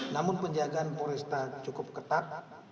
namun penjagaan polresta cukup ketat